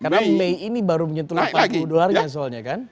karena mei ini baru menyentuh delapan puluh dolar ya soalnya kan